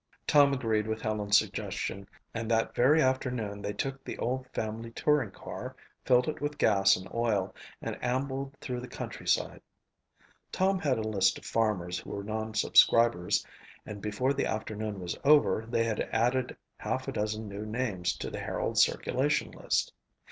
Tom agreed with Helen's suggestion and that very afternoon they took the old family touring car, filled it with gas and oil, and ambled through the countryside. Tom had a list of farmers who were non subscribers and before the afternoon was over they had added half a dozen new names to the Herald's circulation list.